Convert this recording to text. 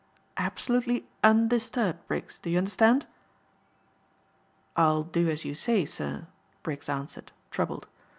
Absolutely undisturbed, Briggs, do you understand?" "I'll do as you say, sir," Briggs answered, troubled.